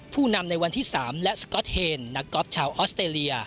ผู้นำในวันที่๓และสก๊อตเฮนนักกอล์ฟชาวออสเตรเลีย